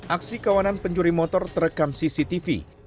aksi kawanan pencuri motor terekam cctv